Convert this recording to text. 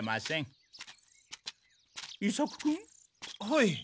はい？